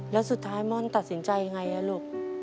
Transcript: แล้วสุดท้ายม่อนตัดสินใจไงลูก